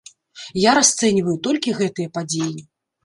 Я расцэньваю толькі гэтыя падзеі.